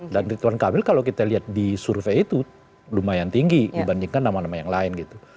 dan ridwan kamil kalau kita lihat di survei itu lumayan tinggi dibandingkan nama nama yang lain gitu